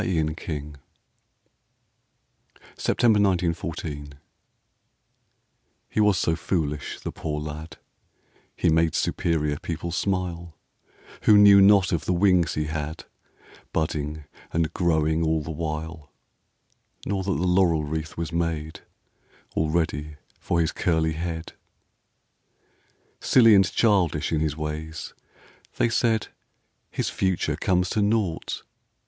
A HERO 37 A HERO (September 1914} HE was so foolish, the poor lad, He made superior people smile Who knew not of the wings he had Budding and growing all the while ; Nor that the laurel wreath was made Already for his curly head. Silly and childish in his ways ; They said :" His future comes to naught."